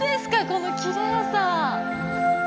このきれいさ